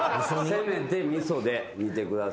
せめて味噌で煮てください。